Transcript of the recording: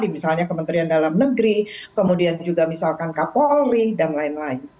misalnya kementerian dalam negeri kemudian juga misalkan kapolri dan lain lain